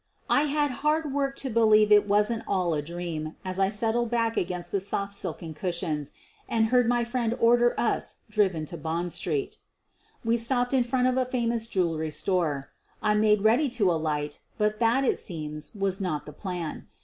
I had hard work to believe it wasn't all a dream 112 SOPHIE LYONS as I settled back against the soft silken cushions and heard my friend order us driven to Bond street. We stopped in front of a famous jewelry store —> I made ready to alight, but that, it seems, was not the plan.